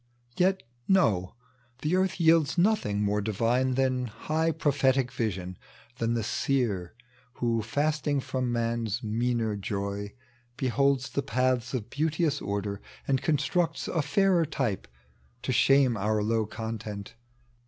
Yet no ! the earth yields nothing more Divine Than high prophetic vision — than the Seer "Who fasting O.'oia man's meaner joy heholds The paths of beauteous order, and constructs A fairer type, to shame our low content.